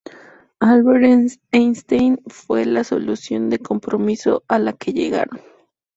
Albert Einstein fue la solución de compromiso a la que llegaron.